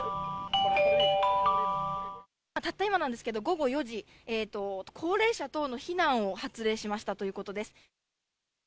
たった今ですが、午後４時高齢者等の避難を発令しましたということです。